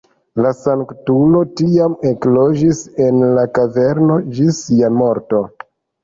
La sanktulo tiam ekloĝis en la kaverno ĝis sia morto.